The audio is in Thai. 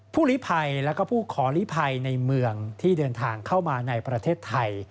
ลิภัยและผู้ขอลิภัยในเมืองที่เดินทางเข้ามาในประเทศไทย